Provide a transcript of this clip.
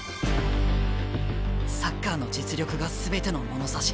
サッカーの実力が全ての物差し。